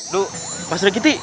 loh pak srekiti